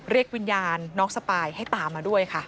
เรียกวิญญาณน้องสปายให้ตามมาด้วยค่ะ